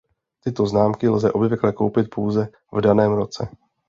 Tyto známky lze obvykle koupit pouze v daném roce.